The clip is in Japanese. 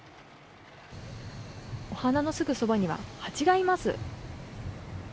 お花のすぐそばにはハチがいます。